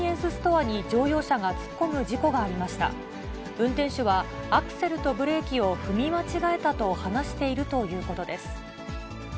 運転手は、アクセルとブレーキを踏み間違えたと話しているということです。